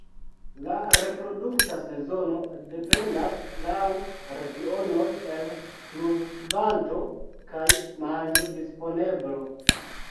La reprodukta sezono dependas laŭ regionoj el pluvokvanto kaj manĝodisponeblo.